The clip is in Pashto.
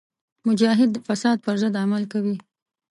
مجاهد د فساد پر ضد عمل کوي.